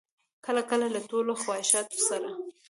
کله کله له ټولو خواهشاتو سره.